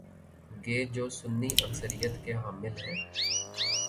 گے جو سنی اکثریت کے حامل ہیں؟